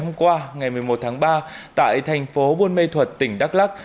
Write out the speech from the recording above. hôm qua ngày một mươi một tháng ba tại thành phố buôn mê thuật tỉnh đắk lắc